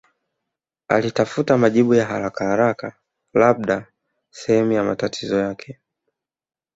Alitafuta majibu ya harakaharaka labda sehemu ya matatizo yake